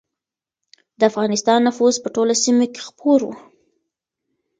د افغانستان نفوذ په ټوله سیمه کې خپور و.